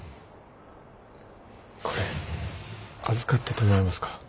これ預かっててもらえますか？